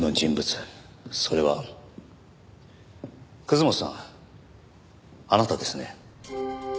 それは本さんあなたですね。